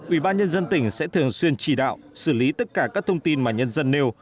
ubnd tỉnh sẽ thường xuyên chỉ đạo xử lý tất cả các thông tin mà nhân dân nêu